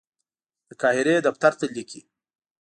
د قاهرې دفتر ته لیکي.